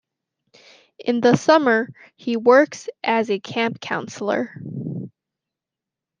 In the summer, he works as a camp counselor.